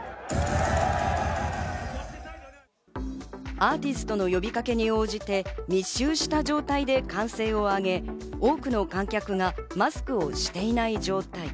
アーティストの呼びかけに応じて、密集した状態で歓声を上げ、多くの観客がマスクをしていない状態。